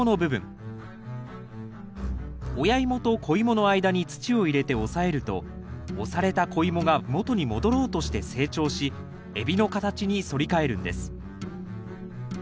親イモと子イモの間に土を入れて押さえると押された子イモがもとに戻ろうとして成長し海老の形に反り返るんです。